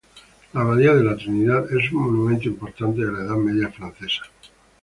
La abadía de la Trinidad es un monumento importante de la Edad Media francesa.